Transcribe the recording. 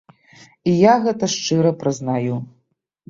І я гэта шчыра прызнаю.